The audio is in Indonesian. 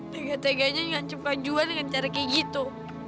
tegak tegaknya nyancep bajuan dengan cara kayak gitu